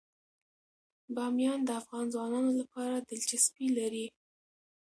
بامیان د افغان ځوانانو لپاره دلچسپي لري.